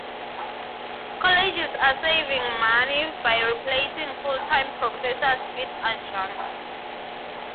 Colleges are saving money by replacing full-time professors with adjuncts.